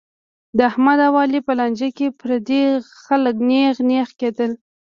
د احمد او علي په لانجه کې پردي خلک نېغ نېغ کېدل.